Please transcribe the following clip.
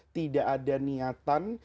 tidak ada niatan